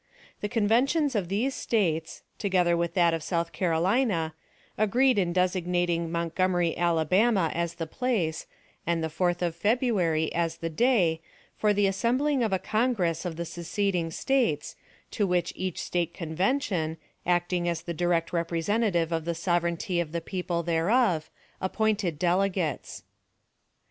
The Conventions of these States (together with that of South Carolina) agreed in designating Montgomery, Alabama, as the place, and the 4th of February as the day, for the assembling of a congress of the seceding States, to which each State Convention, acting as the direct representative of the sovereignty of the people thereof, appointed delegates.